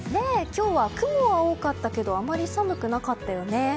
今日は雲が多かったけどあまり寒くなかったよね。